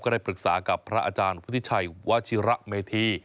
ได้ปรึกษากับพระอาจารย์พุทธิชัยวชิระเมธี